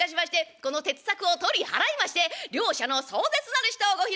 この鉄柵を取り払いまして両者の壮絶なる死闘ご披露申し上げます。